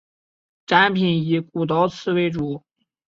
展品以古陶瓷为主。